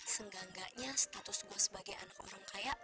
senggak nggaknya status gua sebagai anak orang kaya